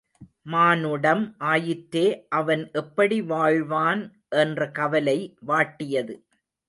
மானுடம் ஆயிற்றே அவன் எப்படி வாழ்வான் என்ற கவலை வாட்டியது.